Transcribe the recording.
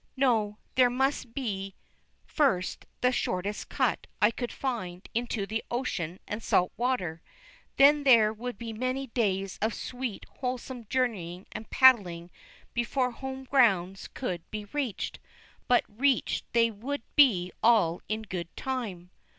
No, there must be first the shortest cut I could find into the ocean and salt water, then there would be many days of sweet, wholesome journeying and paddling before home grounds could be reached, but reached they would be all in good time.